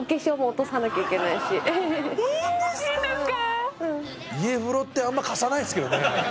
え⁉家風呂って貸さないですけどね。